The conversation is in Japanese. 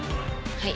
はい。